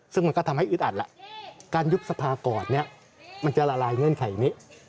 ซึ่งมันก็ทำให้อึดอัดแล้วการยุบสภาก่อนเนี่ยมันจะละลายเงื่อนไขนี้